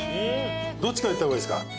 どっちからいった方がいいすか？